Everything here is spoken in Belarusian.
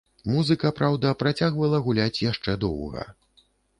Музыка, праўда, працягвала гуляць яшчэ доўга.